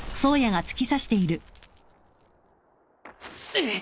うっ。